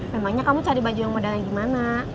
memangnya kamu cari baju yang modalnya gimana